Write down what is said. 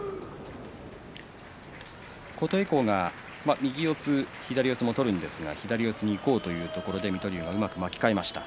琴恵光が右四つ左の相撲を取るんですが左四つにいこうというところで水戸龍がうまく巻き替えました。